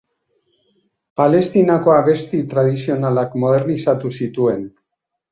Palestinako abesti tradizionalak modernizatu zituen.